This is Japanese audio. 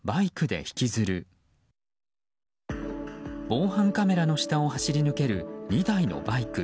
防犯カメラの下を走り抜ける２台のバイク。